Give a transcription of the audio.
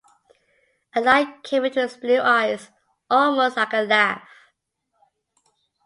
A light came into his blue eyes, almost like a laugh.